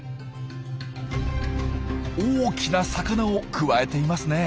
大きな魚をくわえていますね。